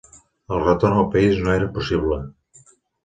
El retorn al país no era possible.